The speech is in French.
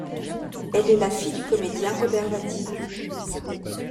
Elle est la fille du comédien Robert Vattier.